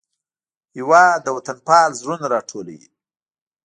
هېواد د وطنپال زړونه راټولوي.